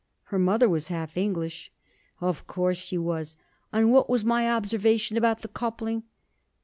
'Her mother was half English.' 'Of course she was. And what was my observation about the coupling?